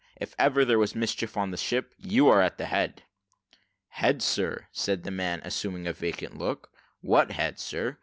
If ever there were mischief in a ship, you are at the head." "Head, sir," said the man, assuming a vacant look; "what head, sir.